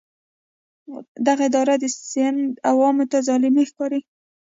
دغه ادارې د سند عوامو ته ظالمې ښکارېدې.